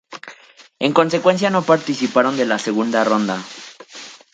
En consecuencia no participaron de la segunda ronda.